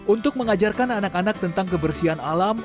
untuk mengajarkan anak anak tentang kebersihan alam